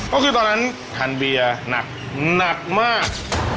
ก็คือตอนนั้นฮันเบียร์หนักหนักมาก